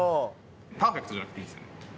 パーフェクトじゃなくていいんですよね。